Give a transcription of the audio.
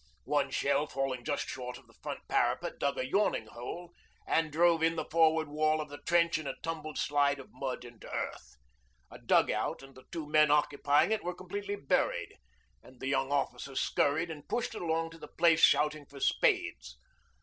One shell falling just short of the front parapet dug a yawning hole and drove in the forward wall of the trench in a tumbled slide of mud and earth. A dug out and the two men occupying it were completely buried, and the young officer scurried and pushed along to the place shouting for spades.